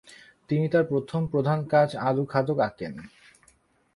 তিনি তার প্রথম প্রধান কাজ আলু খাদক আঁকেন।